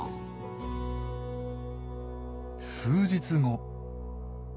数日後。